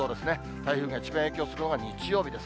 台風が一番影響するのが日曜日です。